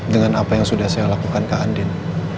dengan apa yang sudah saya lakukan kak andin